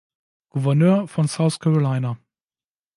Gouverneur von South Carolina.